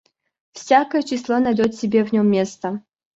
Всякое число найдёт себе в нём место.